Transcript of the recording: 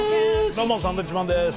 どうもサンドウィッチマンです。